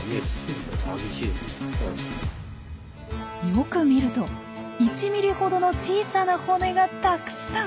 よく見ると１ｍｍほどの小さな骨がたくさん！